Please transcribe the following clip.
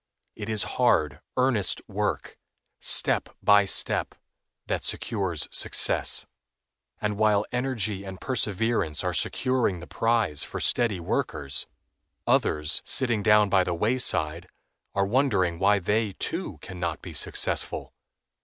It is hard, earnest work, step by step, that secures success; and while energy and perseverance are securing the prize for steady workers, others, sitting down by the wayside, are wondering why they, too, can not be successful.